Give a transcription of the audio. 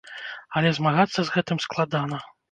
Але змагацца з гэтым складана.